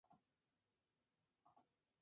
La ciudad es un centro de cultura en la Ascensión.